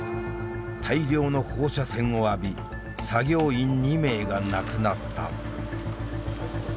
大量の放射線を浴び作業員２名が亡くなった。